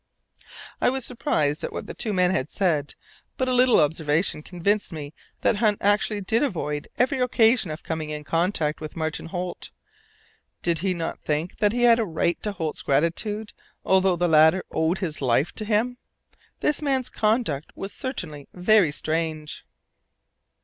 I was surprised at what the two men had said, but a little observation convinced me that Hunt actually did avoid every occasion of coming in contact with Martin Holt. Did he not think that he had a right to Holt's gratitude although the latter owed his life to him? This man's conduct was certainly very strange.